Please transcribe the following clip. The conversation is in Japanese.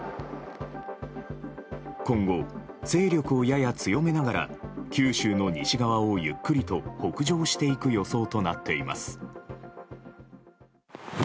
今後、勢力をやや強めながら九州の西側をゆっくりと北上していく予想となっています。